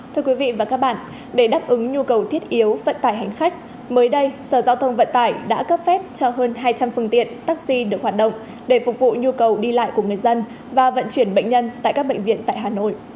thưa quý vị và các bạn để đáp ứng nhu cầu thiết yếu vận tải hành khách mới đây sở giao thông vận tải đã cấp phép cho hơn hai trăm linh phương tiện taxi được hoạt động để phục vụ nhu cầu đi lại của người dân và vận chuyển bệnh nhân tại các bệnh viện tại hà nội